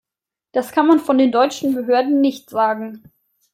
Das kann man von den deutschen Behörden nicht sagen.